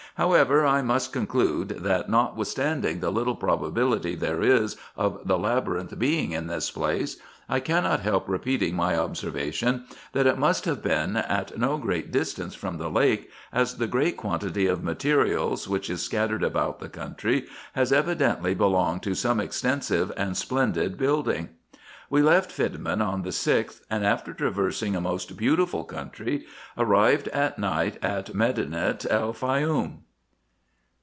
However, I must conclude, that, notwithstanding the little probability there is of the Labyrinth being in this place, I cannot help repeating my observation, that it must have been at no great distance from the lake, as the great quantity of materials which is scattered about the country has evidently belonged to some extensive and splendid building. We left Fidmin on the 6th ; and, after traversing a most beau tiful country, arrived at night at Medinet el Faioum.